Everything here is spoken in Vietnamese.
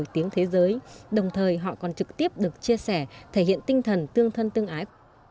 tiếng thế giới đồng thời họ còn trực tiếp được chia sẻ thể hiện tinh thần tương thân tương ái